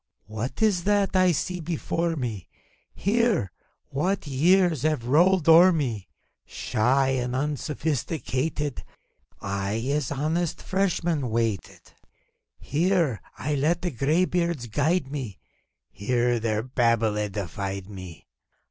What is that I see before mef Here, (what years have rolled o'er me!) Shy and unsophisticated, I as honest freshman waited; Here I let the gray beards guide me, Here their babble edified me